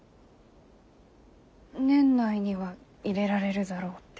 年内には入れられるだろうって。